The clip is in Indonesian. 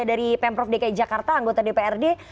dari pemprov dki jakarta anggota dprd